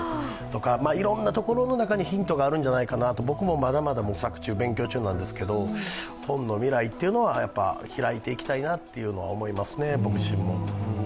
いろんなところの中にヒントがあるんじゃないかなと、僕もまだまだ模索中、勉強中なんですけど、本の未来っていうのはひらいていきたいなと思いますね、僕自身も。